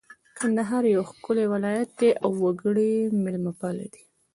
کندهار یو ښکلی ولایت دی اړ وګړي یې مېلمه پاله دي